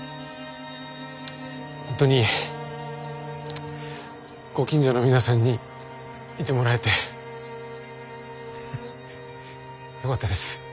本当にご近所の皆さんにいてもらえてよかったです。